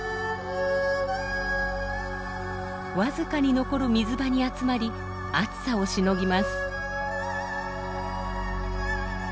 僅かに残る水場に集まり暑さをしのぎます。